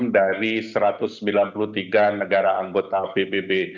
satu ratus empat puluh enam dari satu ratus sembilan puluh tiga negara anggota pbb